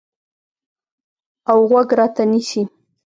اوغوږ راته نیسي